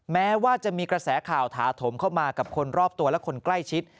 แม้ว่าจะมีกระแสข่าวถาถมเข้ามากับคนรอบตัวและคนใกล้ชิด